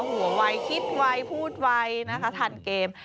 หัววัยคิดไวพูดไวนะคะทันเกม